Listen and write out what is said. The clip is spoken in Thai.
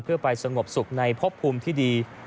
เพื่อไปสงบสุขในพบภูมิที่ดี